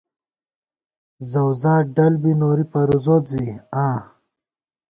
زَؤزات ڈل بی نوری پروزوت ، زی آں